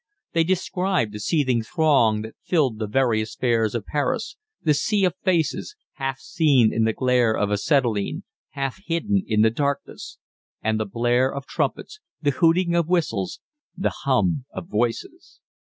They described the seething throng that filled the various fairs of Paris, the sea of faces, half seen in the glare of acetylene, half hidden in the darkness, and the blare of trumpets, the hooting of whistles, the hum of voices.